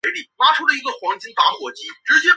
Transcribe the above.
在家中排行第四。